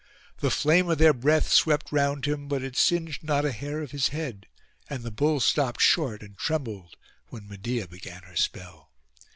The flame of their breath swept round him, but it singed not a hair of his head; and the bulls stopped short and trembled when Medeia began her spell.